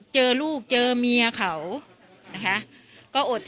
กินโทษส่องแล้วอย่างนี้ก็ได้